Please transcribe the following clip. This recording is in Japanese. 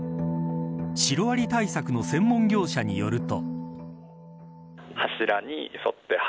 シロアリ対策の専門業者によると。